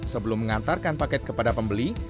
sebelum mengantarkan paket kepada pembeli